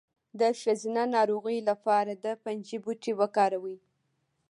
د ښځینه ناروغیو لپاره د پنجې بوټی وکاروئ